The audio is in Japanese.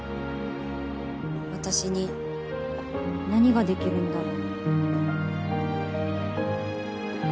私に何ができるんだろう